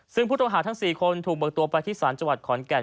ซึ่งผู้ต้องหาทั้ง๔คนถูกเบิกตัวไปที่ศาลจังหวัดขอนแก่น